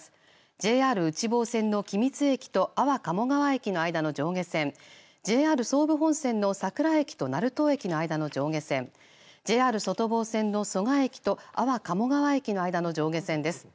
ＪＲ内房線の君津駅と安房鴨川駅の間の上下線ＪＲ総武本線の佐倉駅と成東駅の間の上下線ＪＲ外房線の蘇我駅と安房鴨川駅の間の上下線です。